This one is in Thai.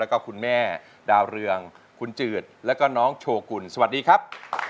ขอบคุณแม่ดาวเรืองคุณจืดและน้องโชว์กุลสวัสดีครับ